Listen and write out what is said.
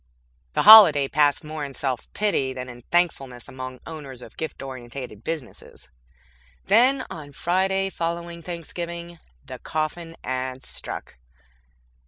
The holiday passed more in self pity than in thankfulness among owners of gift oriented businesses. Then, on Friday following Thanksgiving, the coffin ads struck.